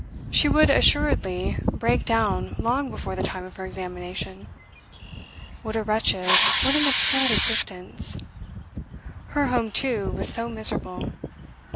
She would assuredly break down long before the time of her examination. What a wretched, what an absurd existence! Her home, too, was so miserable.